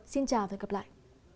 xin chào và hẹn gặp lại